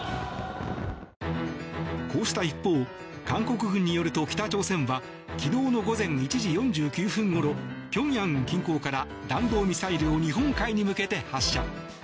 こうした一方、韓国軍によると北朝鮮は昨日の午前１時４９分ごろピョンヤン近郊から弾道ミサイルを日本海に向けて発射。